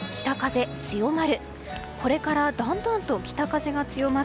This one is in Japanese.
北風強まる。